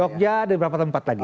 jogja ada beberapa tempat lagi